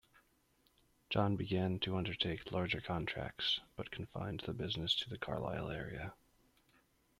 John began to undertake larger contracts but confined the business to the Carlisle area.